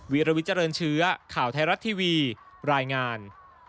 รวิเจริญเชื้อข่าวไทยรัฐทีวีรายงาน